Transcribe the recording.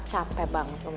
capek banget lo sama dia